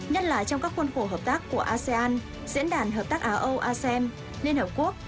nhất là trong các khuôn khổ hợp tác của asean diễn đàn hợp tác á âu asem liên hợp quốc